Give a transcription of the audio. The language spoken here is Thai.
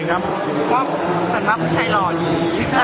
เพราะคุณเป็นคุณหล่อดี